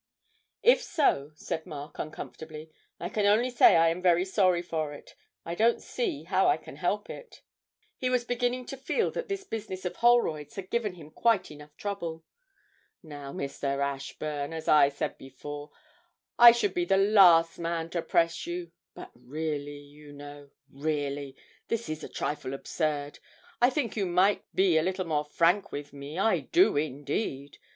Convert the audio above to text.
'If so,' said Mark, uncomfortably, 'I can only say I am very sorry for it I don't see how I can help it.' He was beginning to feel that this business of Holroyd's had given him quite trouble enough. 'Now, Mr. Ashburn, as I said before, I should be the last man to press you but really, you know, really this is a trifle absurd! I think you might be a little more frank with me, I do indeed.